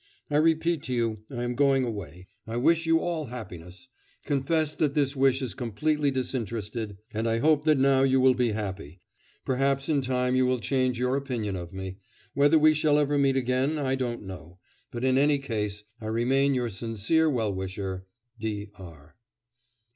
I repeat to you, I am going away. I wish you all happiness. Confess that this wish is completely disinterested, and I hope that now you will be happy. Perhaps in time you will change your opinion of me. Whether we shall ever meet again, I don't know, but in any case I remain your sincere well wisher, 'D. R.